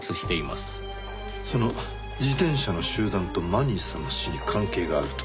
その自転車の集団とマニーさんの死に関係があると。